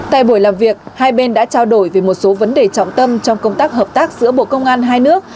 tại buổi làm việc hai bên đã trao đổi về một số vấn đề trọng tâm trong công tác hợp tác giữa bộ công an hai nước